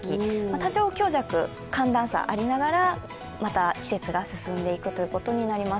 多少強弱、寒暖差がありながら、また季節が進んでいくことになります。